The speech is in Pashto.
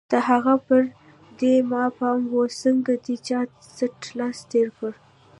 د هغه پر دې ما پام و، څنګه دې پر څټ لاس تېر کړ؟